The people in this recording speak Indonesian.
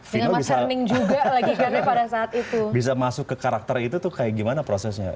vino bisa masuk ke karakter itu tuh kayak gimana prosesnya